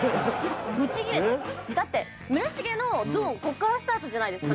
だって村重のゾーンこっからスタートじゃないですか。